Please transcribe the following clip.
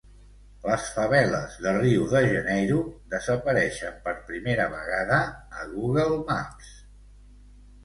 Les faveles de Rio de Janeiro desapareixen per primera vegada a Google Maps.